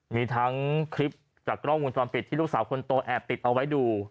มีทั้งคลิปจากกล้องวงจรปิดที่ลูกสาวคนโตแอบติดเอาไว้ดู